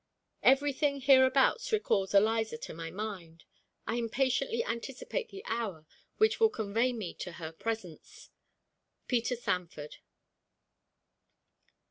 Every thing hereabouts recalls Eliza to my mind. I impatiently anticipate the hour which will convey me to her presence. PETER SANFORD.